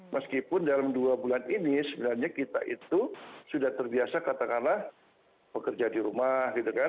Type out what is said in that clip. meskipun dalam dua bulan ini sebenarnya kita itu sudah terbiasa katakanlah bekerja di rumah gitu kan